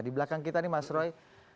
di belakang kita nih mas roy